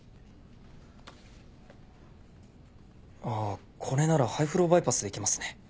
ああこれならハイフローバイパスでいけますね。